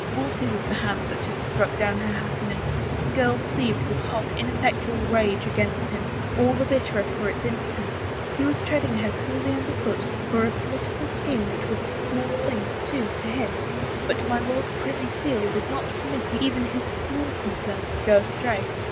Wolsey's was the hand that had struck down her happiness. The girl seethed with hot, ineffectual rage against him, all the bitterer for its im potence. He was treading her coolly underfoot for a political scheme that was a small thing, too, to him, but my Lord Privy Seal did not permit even his small con cerns to go astray.